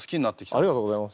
ありがとうございます。